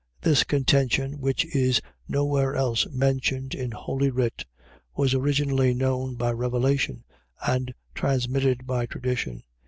.This contention, which is no where else mentioned in holy writ, was originally known by revelation, and transmitted by tradition.